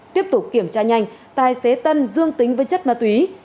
tiếp tục kiểm tra nhanh tài xế tân dương tính với chất ma túy